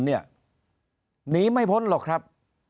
หนีไม่พ้นหรอกครับ